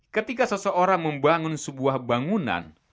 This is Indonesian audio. ketika seseorang membangun sebuah bangunan